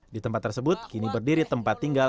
di tempat tersebut kini berdiri tempat tinggal